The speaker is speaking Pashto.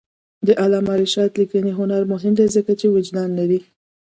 د علامه رشاد لیکنی هنر مهم دی ځکه چې وجدان لري.